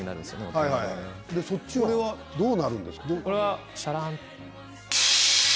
それはどうなんですか？